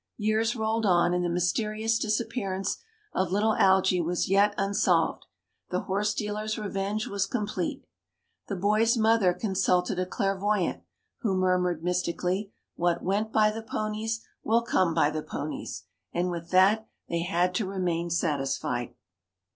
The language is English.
Years rolled on, and the mysterious disappearance of little Algy was yet unsolved. The horse dealer's revenge was complete. The boy's mother consulted a clairvoyant, who murmured mystically "What went by the ponies, will come by the ponies;" and with that they had to remain satisfied.